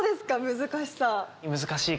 難しさ。